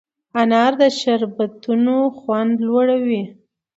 انار د شربتونو خوند لوړوي.